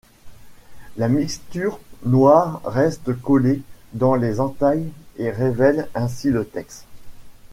La mixture noire reste collée dans les entailles et révèle ainsi le texte'.